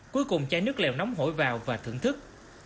cuối cùng chai nước lèo nóng hổi vào và thưởng thức